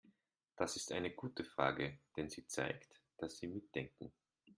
Das ist eine gute Frage, denn sie zeigt, dass Sie mitdenken.